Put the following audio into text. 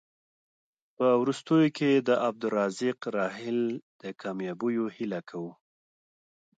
په وروستیو کې د عبدالرزاق راحل د کامیابیو هیله کوو.